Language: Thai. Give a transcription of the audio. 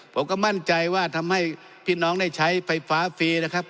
ผมก็มั่นใจว่าทำให้พี่น้องได้ใช้ไฟฟ้าฟรีนะครับ